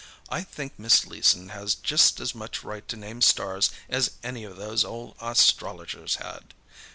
"I think Miss Leeson has just as much right to name stars as any of those old astrologers had."